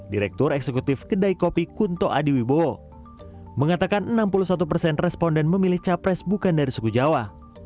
direktur eksekutif kedai kopi kunto adiwibowo mengatakan enam puluh satu persen responden memilih capres bukan dari suku jawa